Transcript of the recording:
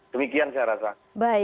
demikian saya rasa